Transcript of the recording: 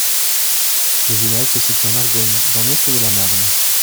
Le village se situe en Argonne, dans l'est de la Marne.